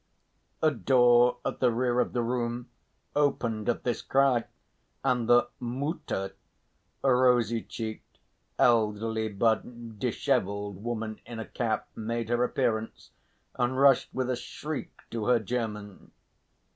_" A door at the rear of the room opened at this cry, and the Mutter, a rosy cheeked, elderly but dishevelled woman in a cap made her appearance, and rushed with a shriek to her German.